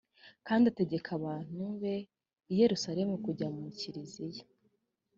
kandi ategeka abantu b i yerusalemu kujya mukiliziya